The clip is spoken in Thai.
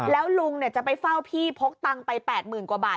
แล้วลุงจะไปเฝ้าพี่พกตังค์ไป๘๐๐๐กว่าบาท